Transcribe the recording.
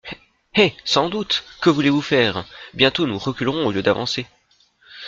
Eh ! sans doute ! que voulez-vous faire ? Bientôt nous reculerons au lieu d'avancer.